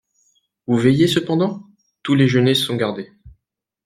Vous veillez cependant ? Tous les genêts sont gardés.